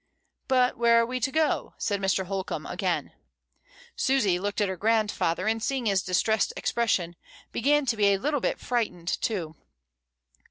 "But where are we to go?" said Mr. Holcombe again. Susy looked at her grandfather, and seeing his distressed expression, began to be a little bit frightened too.